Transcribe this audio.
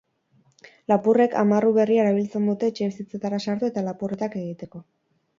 Lapurrek amarru berria erabiltzen dute etxebizitzetara sartu eta lapurretak egiteko.